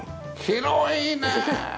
広いねえ。